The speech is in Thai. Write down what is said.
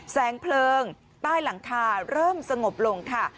แสงเพลิงใต้หลังคาเริ่มสงบลงค่ะ